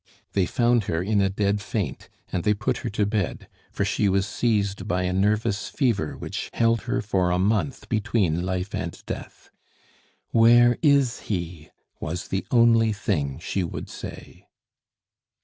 They found her in a dead faint; and they put her to bed, for she was seized by a nervous fever which held her for a month between life and death. "Where is he?" was the only thing she would say.